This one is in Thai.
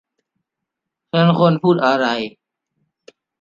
ฉันควรพูดอะไร